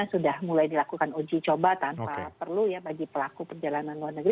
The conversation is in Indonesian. sudah mulai dilakukan uji coba tanpa perlu ya bagi pelaku perjalanan luar negeri